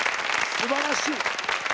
すばらしい！